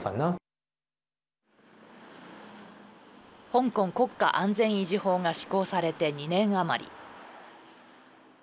香港国家安全維持法が施行されて２年余り。